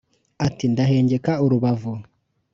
ati ndahengeka urubavu